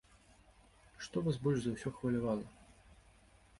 Што вас больш за ўсё хвалявала?